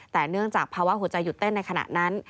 แต่เนื่องจากภาวะหัวใจหยุดเต้นในขณะนั้น